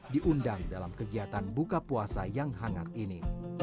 diundang dalam kegiatan buka puasa yang hangat ini